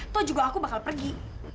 toh juga aku bakal pergi